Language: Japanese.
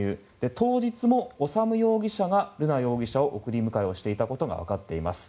当日も修容疑者が瑠奈容疑者を送り迎えをしていたことがわかっています。